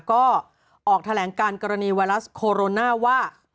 ก็ออกแถลงการกรณีไวรัสโคโรนาว่า